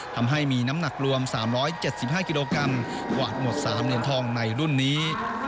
ทำให้มีน้ำหนักรวม๓๗๕กิโลกรัมกวาดหมด๓เหรียญทองในรุ่นนี้